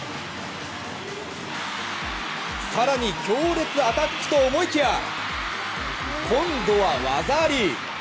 更に強烈アタックと思いきや今度は技あり！